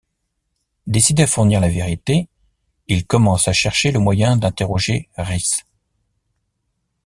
Décidé à découvrir la vérité, ils commencent à chercher le moyen d’interroger Rhys.